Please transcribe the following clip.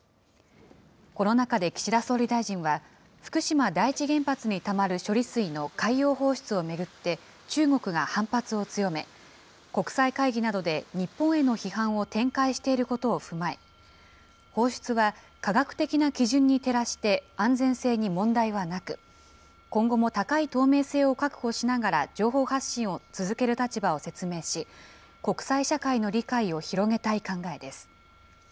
この中で岸田総理大臣は、福島第一原発にたまる処理水の海洋放出を巡って中国が反発を強め、国際会議などで日本への批判を展開していることを踏まえ、放出は科学的な基準に照らして安全性に問題はなく、今後も高い透明性を確保しながら情報発信を続ける立場を説明し、国際社会の理解を広げたい考えです。